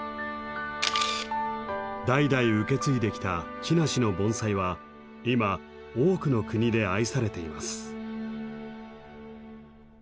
代々受け継いできた鬼無の盆栽は今多くの国で愛されています。